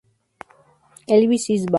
Elvis Is Back!